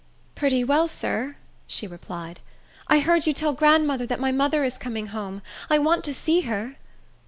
"Pretty well, sir," she replied. "I heard you tell grandmother that my mother is coming home. I want to see her."